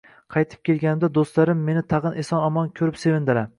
Qaytib kelganimda, do‘stlarim meni tag‘in eson-omon ko‘rib sevindilar